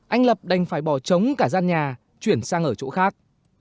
anh lập đành phải bỏ trống cả gian nhà chuyển sang ở chỗ khác